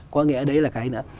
có nghĩa ở đấy là cái nữa